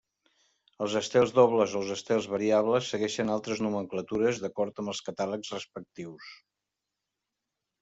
Els estels dobles o els estels variables segueixen altres nomenclatures, d'acord amb els catàlegs respectius.